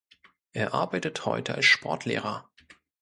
Er arbeitet heute als Sportlehrer.